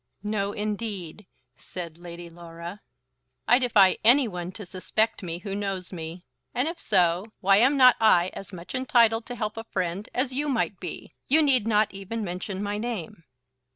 "No; indeed," said Lady Laura. "I defy any one to suspect me who knows me. And if so, why am not I as much entitled to help a friend as you might be? You need not even mention my name."